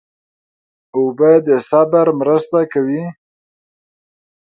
اوبه د صبر مرسته کوي.